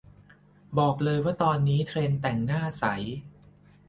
บอกเลยว่าตอนนี้เทรนด์แต่งหน้าใส